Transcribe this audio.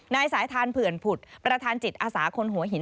นายสายทานเผื่อนผุดประธานจิตอาสาคนหัวหิน